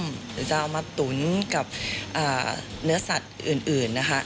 หรือจะเอามาตุ๋นกับเนื้อสัตว์อื่นนะคะ